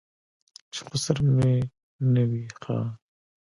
چې خسر مې نه وي ښه.